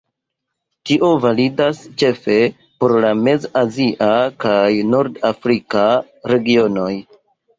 Tio validas ĉefe por la mez-azia kaj nord-afrika regionoj.